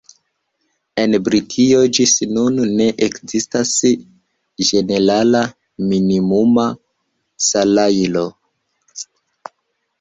En Britio ĝis nun ne ekzistas ĝenerala minimuma salajro.